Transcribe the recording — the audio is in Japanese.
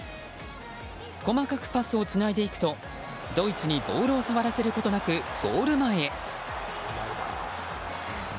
細かくパスをつないでいくとドイツにボール触らせることなくゴール前へ。